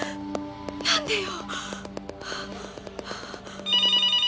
何でよ！